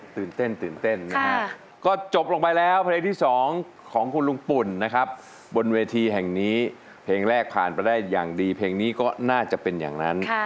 ตราบชั่วที่ว่าไม่ลืมแปลงเพลง